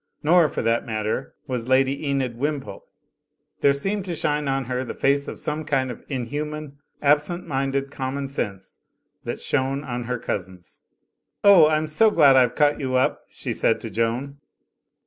Nor, for that matter, was Lady Enid Wimpole; there seemed to shine on her face the same kind of inhuman, absent minded com mon sense that shone on her cousin's. "Oh, I'm so glad I've caught you up," she said to Joan.